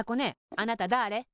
あなただれ？